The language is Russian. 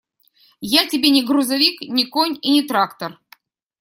Я тебе не грузовик, не конь и не трактор.